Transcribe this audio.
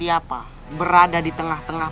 aku akan memenangkan tahta galuh